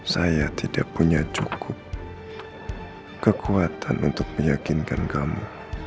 saya tidak punya cukup kekuatan untuk meyakinkan kamu